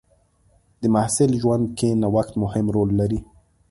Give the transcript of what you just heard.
د محصل ژوند کې نوښت مهم رول لري.